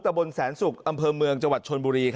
แต่บนแสน่ศุกร์อำเภอเมืองจรรย์ชนบุรี